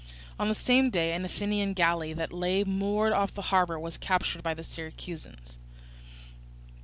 On the same day an Athenian galley that lay moored off the harbour was captured by the Syracusans.